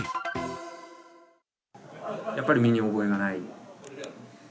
やっぱり身に覚えがない。